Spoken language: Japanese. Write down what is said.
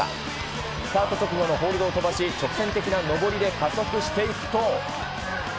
スタート直後のホールドを飛ばし、直線的な登りで加速していくと。